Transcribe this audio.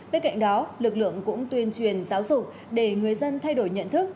bên cạnh đó lực lượng cũng tuyên truyền giáo dục để người dân thay đổi nhận thức